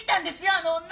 あの女！